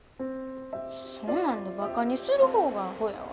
そんなんでバカにする方がアホやわ。